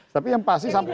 tapi yang pasti sampai